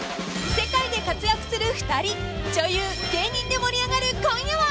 ［世界で活躍する２人女優芸人で盛り上がる今夜は］